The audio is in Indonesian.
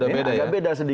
agak beda sedikit